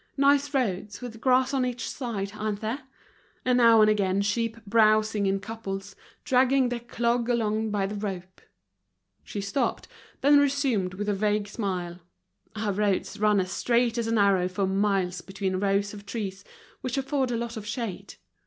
Nice roads with grass on each side, aren't there? and now and again sheep browsing in couples, dragging their clog along by the rope." She stopped, then resumed with a vague smile: "Our roads run as straight as an arrow for miles between rows of trees which afford a lot of shade.